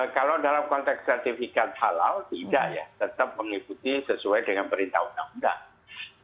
kalau dalam konteks sertifikat halal tidak ya tetap mengikuti sesuai dengan perintah undang undang